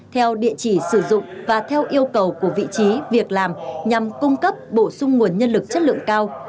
theo địa chỉ sử dụng và theo yêu cầu của vị trí việc làm nhằm cung cấp bổ sung nguồn nhân lực chất lượng cao